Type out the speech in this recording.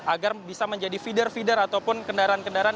agar bisa menjadi feeder feeder ataupun kendaraan kendaraan